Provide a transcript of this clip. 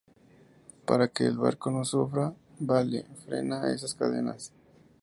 para que el barco no sufra. vale. frena esas cadenas.